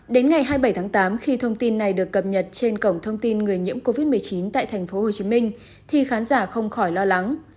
đến ngày hai mươi bảy tháng tám khi thông tin này được cập nhật trên cổng thông tin người nhiễm covid một mươi chín tại tp hcm thì khán giả không khỏi lo lắng